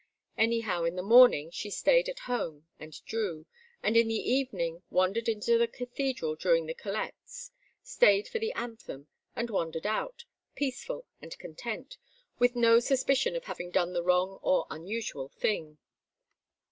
Anyhow in the morning she stayed at home and drew, and in the evening wandered into the Cathedral during the collects, stayed for the anthem, and wandered out, peaceful and content, with no suspicion of having done the wrong or unusual thing.